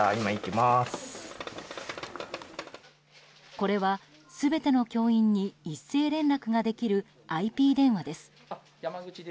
これは全ての教員に一斉連絡ができるＩＰ電話です。